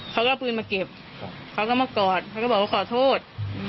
เขาก็เอาปืนมาเก็บเขาก็มากอดเขาก็บอกว่าขอโทษ